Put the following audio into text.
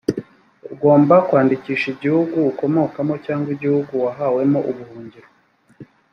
ugomaba kwandikisha igihugu ukomokamo cyangwa igihugu wahawemo ubuhungiro